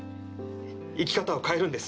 生き方を変えるんです。